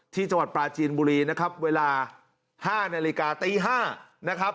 ที่จังหวัดปลาจีนบุรีนะครับเวลา๕นาฬิกาตี๕นะครับ